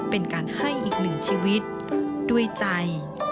เป็นการให้อีกหนึ่งชีวิตด้วยใจ